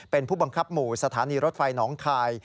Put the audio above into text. เป็นผู้บังคับหมู่สถานีรถไฟหนองคาย